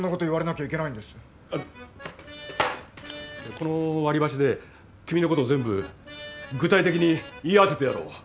この割り箸で君のことを全部具体的に言い当ててやろう。